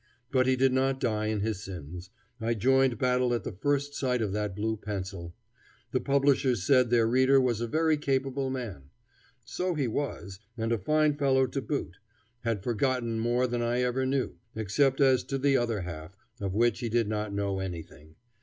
But he did not die in his sins. I joined battle at the first sight of that blue pencil. The publishers said their reader was a very capable man. So he was, and a fine fellow to boot; had forgotten more than I ever knew, except as to the other half, of which he did not know anything.